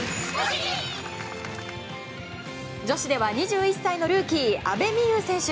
女子では２１歳のルーキー阿部未悠選手。